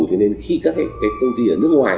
cho nên khi các cái công ty ở nước ngoài